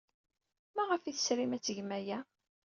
Maɣef ay tesrim ad tgem aya?